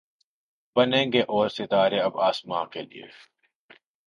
بنیں گے اور ستارے اب آسماں کے لیے